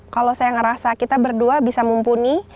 kalau saya ngerasa kita berdua bisa mumpuni